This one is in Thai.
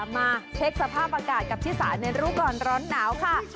มาเช็คสภาพอากาศกับชิสาในรู้ก่อนร้อนหนาวค่ะ